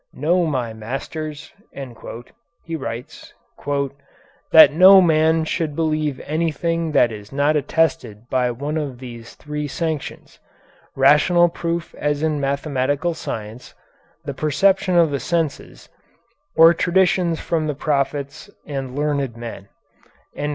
"Know, my masters," he writes, "that no man should believe anything that is not attested by one of these three sanctions: rational proof as in mathematical science, the perception of the senses, or traditions from the prophets and learned men."